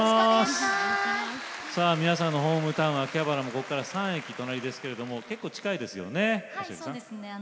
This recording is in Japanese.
皆さんのホームタウン秋葉原もここから３駅隣ですけども結構、近いですよね。